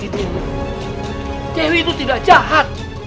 tidak pernah ngejahatin keluarganya wisnu